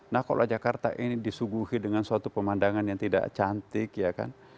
nah kalau jakarta ini disuguhi dengan suatu pemandangan yang tidak cantik ya kan